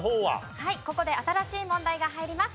はいここで新しい問題が入ります。